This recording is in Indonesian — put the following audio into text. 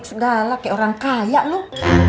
kayak gini tuh